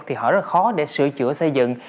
thì họ rất khó để sửa chữa xây dựng